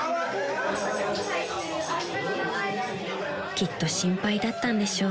［きっと心配だったんでしょう］